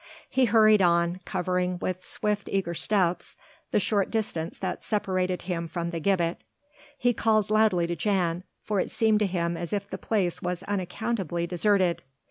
He hurried on, covering with swift eager steps the short distance that separated him from the gibbet. He called loudly to Jan, for it seemed to him as if the place was unaccountably deserted.